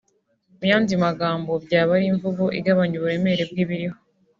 mu yandi magambo byaba ari imvugo igabanya uburemere bw’ibiriho